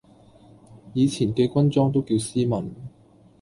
以前嘅軍裝都叫斯文